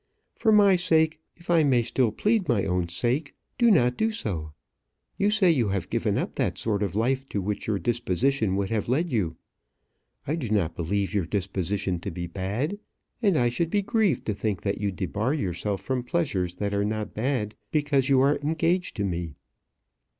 For my sake, if I may still plead my own sake, do not do so. You say you have given up that sort of life to which your disposition would have led you. I do not believe your disposition to be bad, and I should be grieved to think that you debar yourself from pleasures that are not bad because you are engaged to me."